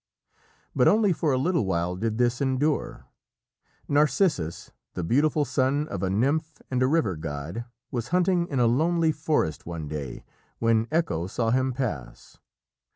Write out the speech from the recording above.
But only for a little while did this endure. Narcissus, the beautiful son of a nymph and a river god, was hunting in a lonely forest one day when Echo saw him pass.